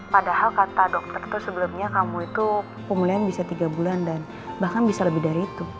padahal kata dokter itu sebelumnya kamu itu pemulihan bisa tiga bulan dan bahkan bisa lebih dari itu